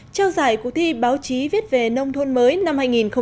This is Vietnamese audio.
trao giải cuộc thi báo chí viết về nông thôn mới năm hai nghìn một mươi tám